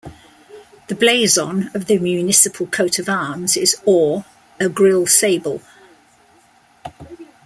The blazon of the municipal coat of arms is Or, a Grill Sable.